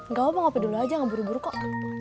gak apa apa ngopi dulu aja gak buru buru kok